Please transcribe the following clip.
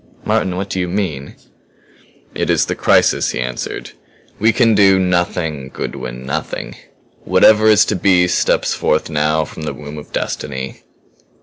"Martin! What do you mean?" "It is the crisis," he answered. "We can do nothing, Goodwin nothing. Whatever is to be steps forth now from the womb of Destiny."